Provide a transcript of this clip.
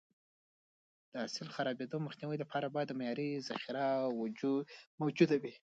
د حاصل د خرابېدو مخنیوي لپاره باید معیاري ذخیره موجوده وي.